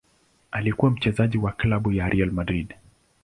Alikuwa mchezaji wa klabu ya Real Madrid.